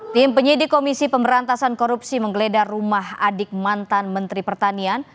tim penyidik komisi pemberantasan korupsi menggeledah rumah adik mantan menteri pertanian